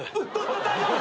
だ大丈夫！？